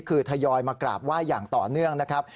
คือทยอยมากราบไหว้อย่างต่อเนื่องนะครับ